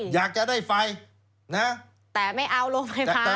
อยากจะได้ไฟนะแต่ไม่เอาโรงไฟฟ้า